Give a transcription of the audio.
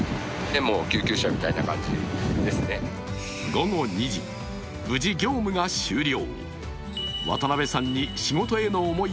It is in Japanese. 午後２時、無事業務が終了。